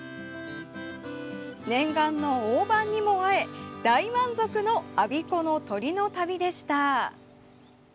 念願のオオバンにも会え大満足の我孫子の鳥の旅でした。